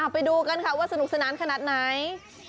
ไปดูกันค่ะว่าสนุกสนานขนาดไหน